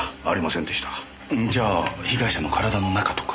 んじゃあ被害者の体の中とか？